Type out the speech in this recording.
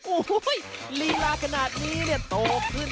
โอ้โหลีลาขนาดนี้โตขึ้น